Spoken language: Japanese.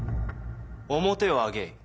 面を上げえ。